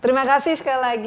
terima kasih sekali lagi